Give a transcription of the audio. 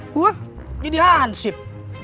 gue jadi hansip